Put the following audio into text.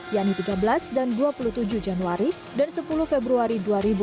yakni tiga belas dan dua puluh tujuh januari dan sepuluh februari dua ribu dua puluh